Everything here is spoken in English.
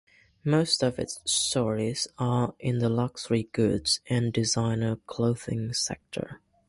Most of its stores are in the luxury goods and designer clothing sector.